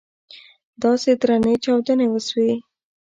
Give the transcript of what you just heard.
داسې درنې چاودنې وسوې.